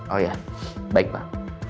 oh iya baik pak